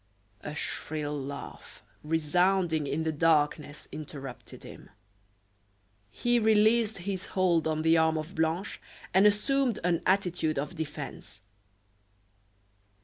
A shrill laugh, resounding in the darkness, interrupted him. He released his hold on the arm of Blanche and assumed an attitude of defence.